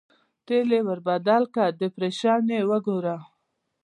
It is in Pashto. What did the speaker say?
تېل یې ور بدل کړه، ډېفرېنشیال یې وګوره.